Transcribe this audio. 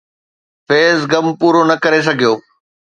فيض غم پورو نه ڪري سگهيو